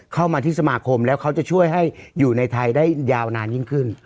เข้ามาที่สมาคมแล้วเขาจะช่วยให้อยู่ในไทยได้ยาวนานยิ่งขึ้น